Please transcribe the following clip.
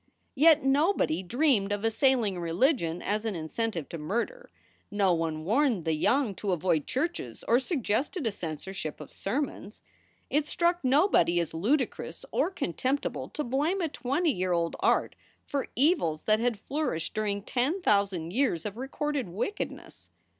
Yet nobody dreamed of assailing religion as an incentive to murder; no one warned the young to avoid churches or suggested a censorship of sermons. It struck nobody as ludicrous or contemptible to blame a twenty year old art for evils that had flourished during ten thousand years of recorded wickedness.